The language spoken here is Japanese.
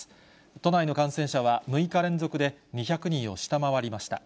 都内の感染者は６日連続で２００人を下回りました。